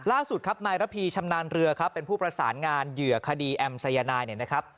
ล่าสุดครับนายระพีชำนาญเรือครับเป็นผู้ประสานงานเหยื่อคดีแอมสายนายเนี่ยนะครับ